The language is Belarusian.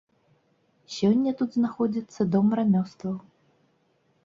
Сёння тут знаходзіцца дом рамёстваў.